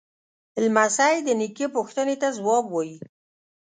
لمسی د نیکه پوښتنې ته ځواب وايي.